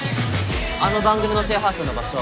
あの番組のシェアハウスの場所